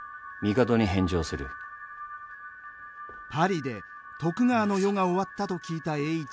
パリで徳川の世が終わったと聞いた栄一。